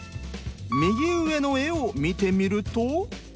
右上の絵を見てみると。